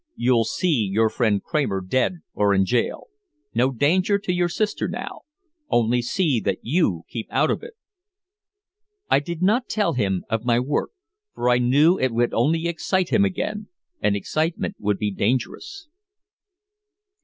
You'll see your friend Kramer dead or in jail. No danger to your sister now. Only see that you keep out of it!" I did not tell him of my work, for I knew it would only excite him again, and excitement would be dangerous.